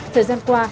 thời gian qua